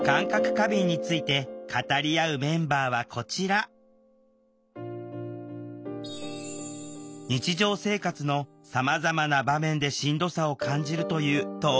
過敏について語り合うメンバーはこちら日常生活のさまざまな場面でしんどさを感じるという当事者３人。